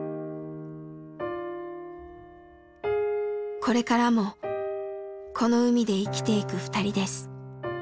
これからもこの海で生きていくふたりです。